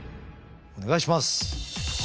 お願いします。